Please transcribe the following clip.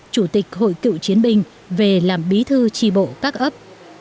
chủ tịch hội cựu chiến binh về làm bí thư tri bộ các ấp